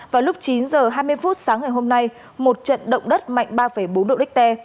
vào lúc chín h hai mươi phút sáng ngày hôm nay một trận động đất mạnh ba bốn độ richter